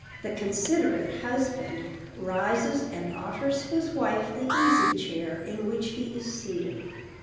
The considerate husband rises and offers his wife the easy chair in which he is seated.